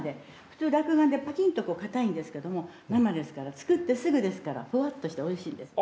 普通落雁ってパキンッとこう硬いんですけども生ですから作ってすぐですからふわっとしておいしいんです。